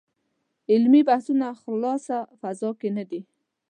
علمي بحثونه خالصه فضا کې نه دي.